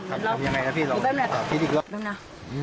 อย่างไรนะพี่เรา